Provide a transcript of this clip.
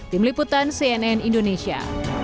tim liputan cnn indonesia